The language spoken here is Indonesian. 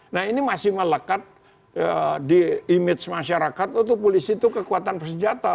nah ini masih melekat di image masyarakat itu polisi itu kekuatan bersenjata